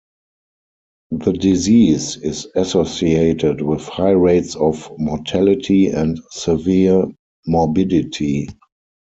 The disease is associated with high rates of mortality and severe morbidity.